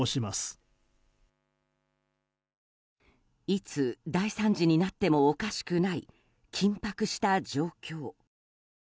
いつ大惨事になってもおかしくない緊迫した状況。